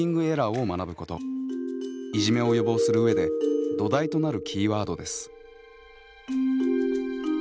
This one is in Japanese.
いじめを予防する上で土台となるキーワードです。